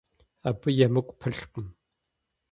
Абы емыкӀу пылъкъым.